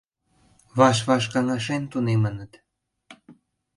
Ваш-ваш каҥашен тунемыныт.